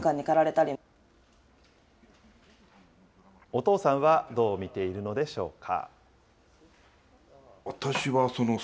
お父さんはどう見ているのでしょうか。